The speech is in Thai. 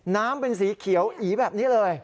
น้ำเป็นสีเขียวอีแบบนี้เลย